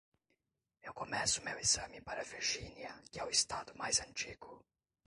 Eu começo meu exame para Virginia, que é o estado mais antigo.